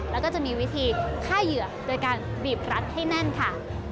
แล้วก็จะมีวิธีฆ่าเหยื่อโดยการบีบรัดให้แน่นค่ะ